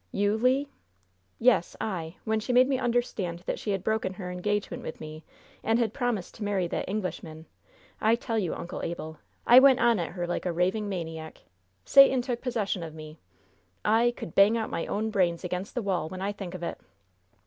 "You, Le?" "Yes, I! When she made me understand that she had broken her engagement with me and had promised to marry that Englishman, I tell you, Uncle Abel, I went on at her like a raving maniac! Satan took possession of me! I could bang out my own brains against the wall, when I think of it!"